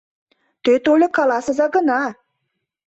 Те тольык каласыза гына...